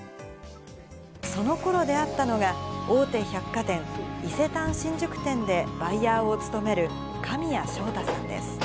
そのころ出会ったのが、大手百貨店、伊勢丹新宿店でバイヤーを務める神谷将太さんです。